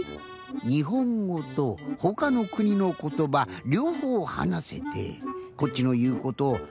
にほんごとほかのくにのことばりょうほうはなせてこっちのいうことあいて